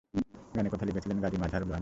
গানের কথা লিখেছেন গাজী মাজহারুল আনোয়ার।